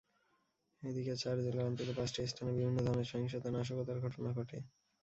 এদিন চার জেলার অন্তত পাঁচটি স্থানে বিভিন্ন ধরনের সহিংসতা-নাশকতার ঘটনা ঘটে।